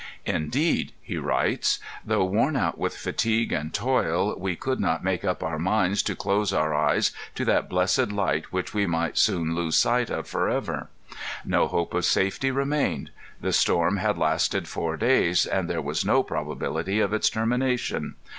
"Indeed," he writes, "though worn out with fatigue and toil, we could not make up our minds to close our eyes to that blessed light which we might soon lose sight of forever. No hope of safety remained. The storm had lasted four days, and there was no probability of its termination.